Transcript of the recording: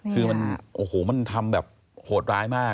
คือมันทำแบบโหดร้ายมาก